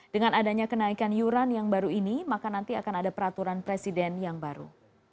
dengan adanya kenaikan yuran yang baru ini maka nanti akan ada peraturan presiden yang baru